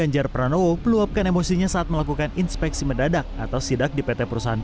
jatah minyak goreng curah untuk jawa tengah